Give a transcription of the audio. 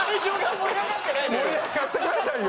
盛り上がってくださいよ。